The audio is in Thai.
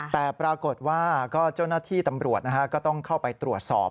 แต่ปรากฏว่าเจ้าหน้าที่ตำรวจก็ต้องเข้าไปตรวจสอบ